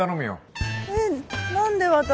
えっ何で私？